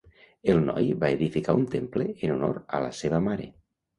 El noi va edificar un temple en honor a la seva mare.